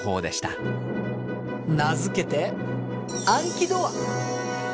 名付けて暗記ドア！